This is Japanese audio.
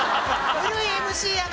古いＭＣやな！